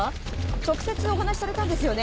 直接お話しされたんですよね？